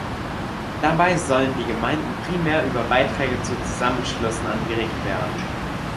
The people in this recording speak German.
Dabei sollen die Gemeinden primär über Beiträge zu Zusammenschlüssen angeregt werden.